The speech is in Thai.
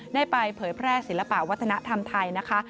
ได้ไปเผยแพร่ศิลปะวัฒนธรรมไทยนะคะ